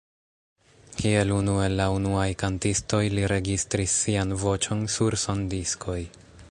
Kiel unu el la unuaj kantistoj li registris sian voĉon sur sondiskoj.